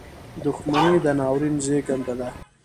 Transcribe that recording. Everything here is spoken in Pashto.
• دښمني د ناورین زیږنده ده.